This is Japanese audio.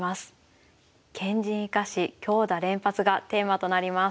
「堅陣生かし強打連発」がテーマとなります。